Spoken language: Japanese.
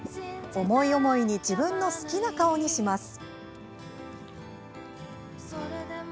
思い思いに自分の好きな顔にします。